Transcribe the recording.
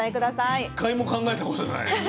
一回も考えたことない。